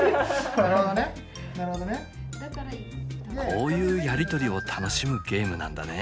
こういうやり取りを楽しむゲームなんだね。